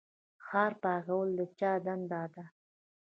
ښار پاکول د چا دنده ده؟